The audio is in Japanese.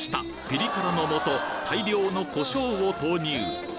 ピリ辛のもと大量のコショウを投入